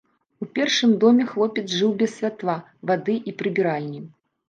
У першым доме хлопец жыў без святла, вады і прыбіральні.